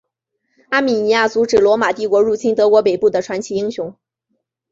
阿米尼亚阻止罗马帝国入侵德国北部的传奇英雄。